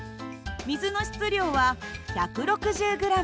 水の質量は１６０ｇ。